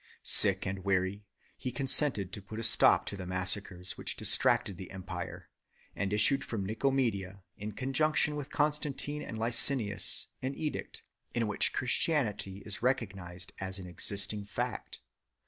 Sick and weary, he consented to put a stop to the massacres which distracted the Empire, and issued from Nicomedia, in conjunction with Constautine and Licinius, an edict 2 in which Christianity is recognized as an existing fact.